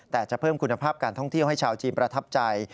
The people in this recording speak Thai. แต่จะเพิ่มคุณภาพการท่องเที่ยวให้ชาวจีนประทับใจ